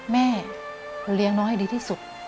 แม่เลี้ยงน้องให้ดีที่สุด